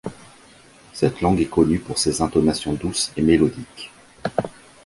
Cette langue est connue pour ses intonations douces et mélodiques.